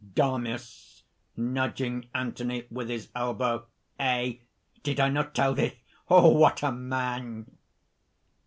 DAMIS (nudging Anthony with his elbow). "Eh? did I not tell thee? What a man!"